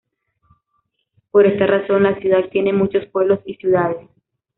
Por esta razón, la ciudad tiene muchos pueblos y ciudades.